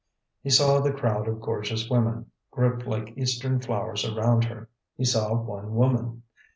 He saw the crowd of gorgeous women, grouped like Eastern flowers around her: he saw one woman.